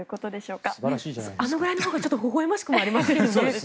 あのくらいのほうがほほ笑ましくもありますよね。